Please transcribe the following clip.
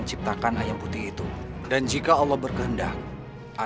kisah anak memang hingga